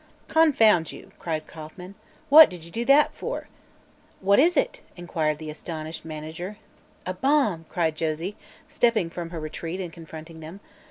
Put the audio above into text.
"Confound you!" cried Kauffman. "What did you do that for?" "What is it?" inquired the astonished manager. "A bomb!" cried Josie, stepping from her retreat and confronting them.